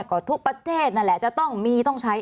ก็ทุกประเทศนั่นแหละจะต้องมีต้องใช้